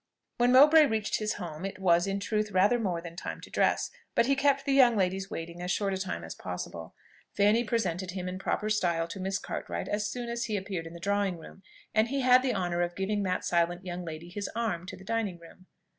When Mowbray reached his home, it was, in truth, rather more than time to dress; but he kept the young ladies waiting as short a time as possible. Fanny presented him in proper style to Miss Cartwright as soon as he appeared in the drawing room; and he had the honour of giving that silent young lady his arm to the dining room.